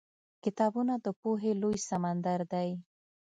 کتابونه د پوهې لوی سمندر دی.